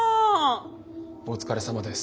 お疲れさまです。